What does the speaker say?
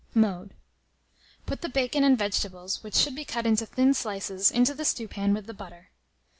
Mode. Put the bacon and vegetables, which should be cut into thin slices, into the stewpan with the butter.